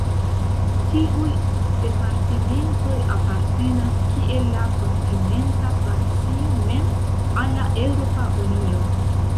Tiuj departementoj apartenas, kiel la kontinenta Francio mem, al la Eŭropa Unio.